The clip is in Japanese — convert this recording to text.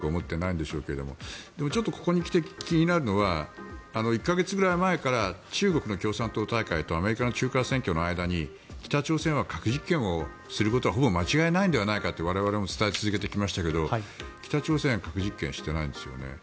日米韓を中国は快く思ってないんでしょうけどでも、ここにきて気になるのは１か月くらい前から中国の共産党大会とアメリカの中間選挙の間に北朝鮮は核実験をすることはほぼ間違いないのではないかと我々も伝え続けてきましたけど北朝鮮は核実験してないんですよね。